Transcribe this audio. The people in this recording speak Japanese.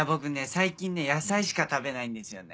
最近野菜しか食べないんですよね。